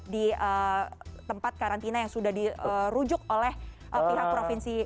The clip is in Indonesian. di tempat karantina yang sudah dirujuk oleh pihak provinsi